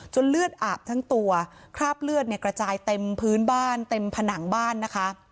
เลือดอาบทั้งตัวคราบเลือดเนี่ยกระจายเต็มพื้นบ้านเต็มผนังบ้านนะคะ